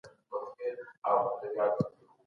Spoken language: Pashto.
عام افغانان د خپلو اساسي حقونو دفاع نه سي کولای.